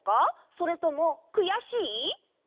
それともくやしい？